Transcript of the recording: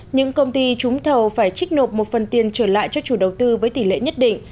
những công ty trúng thầu phải trích nộp một phần tiền trở lại cho chủ đầu tư với tỷ lệ nhất định